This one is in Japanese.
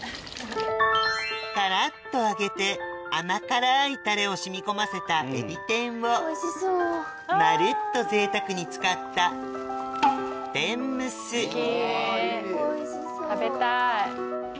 カラっと揚げて甘辛いタレを染み込ませたをまるっと贅沢に使った好き食べたい。